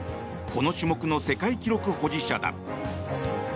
この種目の世界記録保持者だ。